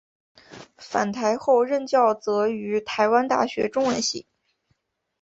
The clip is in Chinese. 返台后任教则于台湾大学中文系。